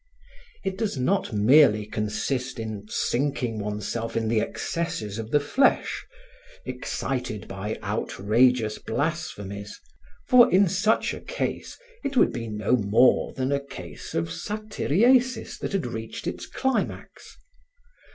It does not merely consist in sinking oneself in the excesses of the flesh, excited by outrageous blasphemies, for in such a case it would be no more than a case of satyriasis that had reached its climax.